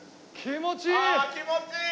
ああ気持ちいい！